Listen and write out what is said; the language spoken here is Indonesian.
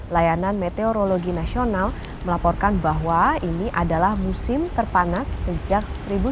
layanan meteorologi nasional melaporkan bahwa ini adalah musim terpanas sejak seribu sembilan ratus delapan puluh